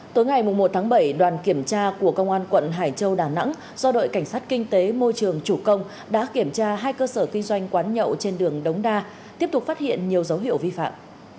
tối ngày một tháng bảy đoàn kiểm tra của công an quận hải châu đà nẵng do đội cảnh sát kinh tế môi trường chủ công đã kiểm tra hai cơ sở kinh doanh quán nhậu trên đường đống đa tiếp tục phát hiện nhiều dấu hiệu vi phạm